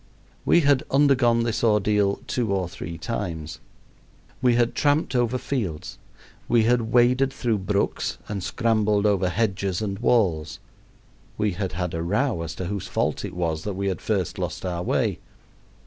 We had undergone this ordeal two or three times. We had tramped over fields. We had waded through brooks and scrambled over hedges and walls. We had had a row as to whose fault it was that we had first lost our way.